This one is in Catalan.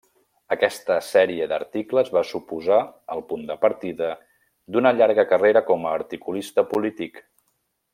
Aquesta sèrie d'articles va suposar el punt de partida d'una llarga carrera com articulista polític.